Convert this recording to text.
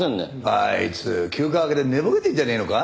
あいつ休暇明けで寝ぼけてんじゃねえのか？